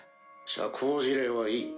社交辞令はいい。